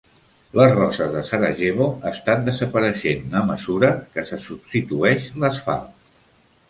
Les roses de Sarajevo estan desapareixent a mesura que se substitueix l'asfalt.